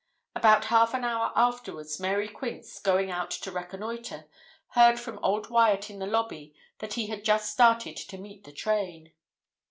About half an hour afterwards, Mary Quince, going out to reconnoitre, heard from old Wyat in the lobby that he had just started to meet the train.